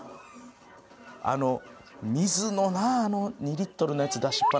あの水のな２リットルのやつ出しっぱなしとか。